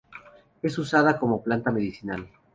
Es usada como planta medicinal.